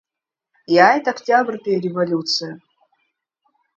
Иааит Октиабртәи ареволиуциа.